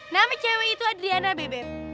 nama cewek itu adriana beb